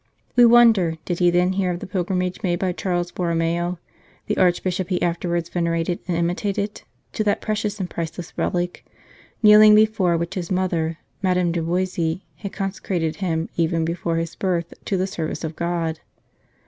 We wonder, did he then hear of the pilgrimage made by Charles Borromeo the Arch bishop he afterwards venerated and imitated to that precious and priceless relic, kneeling before which his mother, Madame de Boissy, had con secrated him even before his birth to the service of God.